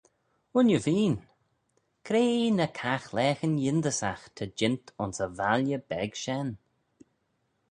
Wooinney veen! Cre ny caghlaaghyn yindyssagh ta jeant ayns y valley beg shen.